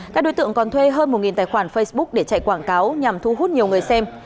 các đối tượng còn thuê hơn một tài khoản facebook để chạy quảng cáo nhằm thu hút nhiều người xem